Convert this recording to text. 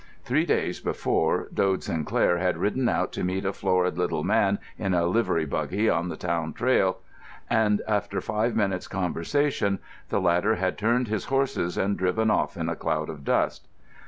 Three days before Dode Sinclair had ridden out to meet a florid little man in a livery buggy on the town trail, and after five minutes' conversation the latter had turned his horses and driven off in a cloud of dust.